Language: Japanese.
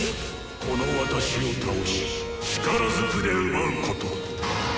この私を倒し力ずくで奪うこと！